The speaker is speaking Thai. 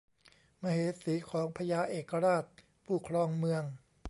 มเหสีของพญาเอกราชผู้ครองเมือง